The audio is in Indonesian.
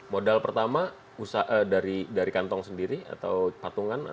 modal pertama dari kantong sendiri atau patungan